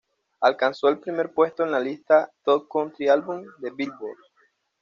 Alcanzó el primer puesto en la lista "Top Country Albums" de "Billboard".